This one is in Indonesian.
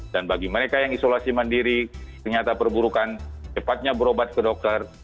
dan bagi mereka yang isolasi mandiri ternyata perburukan cepatnya berobat ke dokter